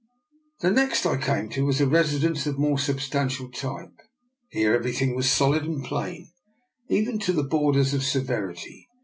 The next I came to was a residence of more substantial type. Here everything was solid and plain, even to the borders of severity.